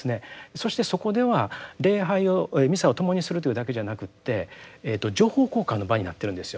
そしてそこでは礼拝をミサを共にするというだけじゃなくて情報交換の場になってるんですよ。